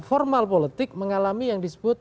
formal politik mengalami yang disebut